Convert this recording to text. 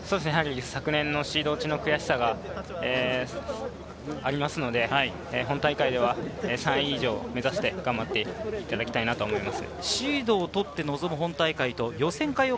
昨年のシード落ちの悔しさがありますので、本大会では３位以上を目指して頑張っていただきたいと思います。